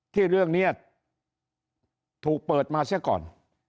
ที่เรื่องนี้ถูกเปิดมาเสียก่อน